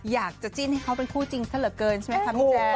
อยากเจ้าจิ้นให้เขาเป็นคู่จริงสะเลิกเกินใช่ไหมครับ